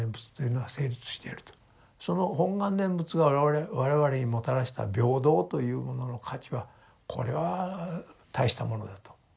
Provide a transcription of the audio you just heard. その本願念仏が我々にもたらした平等というものの価値はこれは大したものだと思いますね。